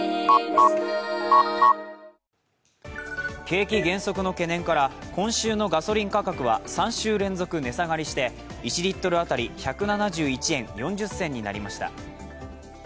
景気減速の懸念から今週のガソリン価格は３週連続値下がりして、１リットル当たり１７１円４０銭なりました。